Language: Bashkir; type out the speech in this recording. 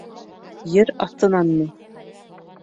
— Ер аҫтынанмы?